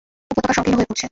উপত্যকা সংকীর্ণ হয়ে পড়ছে।